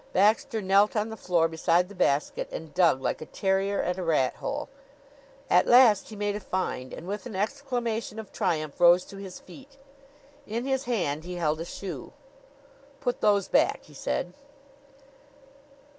Baxter knelt on the floor beside the basket, and dug like a terrier at a rat hole. At last he made a find and with an exclamation of triumph rose to his feet. In his hand he held a shoe. "Put those back," he said.